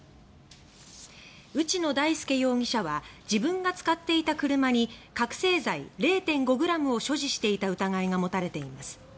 内野大輔容疑者は自分が使っていた車に覚醒剤０．５ｇを所持していた疑いが持たれています。